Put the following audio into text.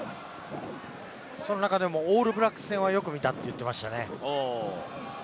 その中でもオールブラックス戦はよく見たって言ってました。